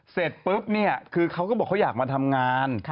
เกิดเสร็จสุดเขาก็เราอยากมาทำงาน